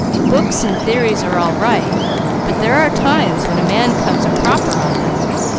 Books and theories are all right, but there are times when a man comes a cropper on them.